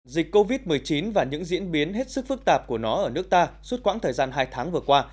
dịch covid một mươi chín và những diễn biến hết sức phức tạp của nó ở nước ta suốt quãng thời gian hai tháng vừa qua